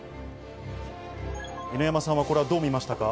犬山さんはどう見ましたか？